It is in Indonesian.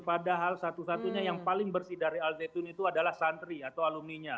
padahal satu satunya yang paling bersih dari al zaitun itu adalah santri atau alumninya